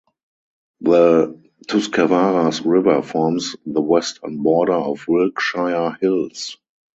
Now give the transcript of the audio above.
The Tuscarawas River forms the western border of Wilkshire Hills.